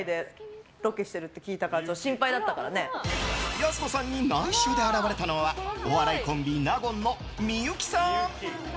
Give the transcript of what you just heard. やす子さんに内緒で現れたのはお笑いコンビ納言の幸さん。